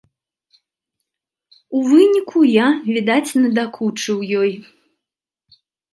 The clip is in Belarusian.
У выніку я, відаць, надакучыў ёй.